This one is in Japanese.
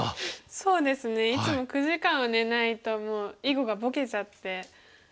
そうですねいつも９時間は寝ないともう囲碁がぼけちゃって。